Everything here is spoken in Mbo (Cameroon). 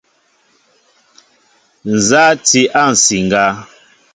Nza a ti a nsiŋga?